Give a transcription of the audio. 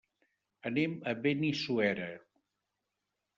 Anem a Benissuera.